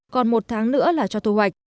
còn một tháng nữa là cho thu hoạch